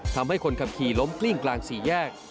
ทำให้คนขับขี่ล้มกลิ้งกลางสี่แยก